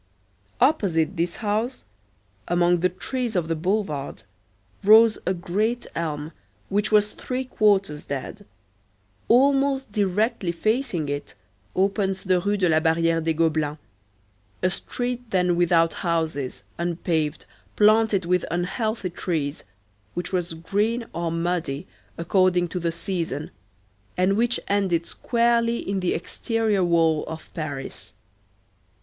Opposite this house, among the trees of the boulevard, rose a great elm which was three quarters dead; almost directly facing it opens the Rue de la Barrière des Gobelins, a street then without houses, unpaved, planted with unhealthy trees, which was green or muddy according to the season, and which ended squarely in the exterior wall of Paris.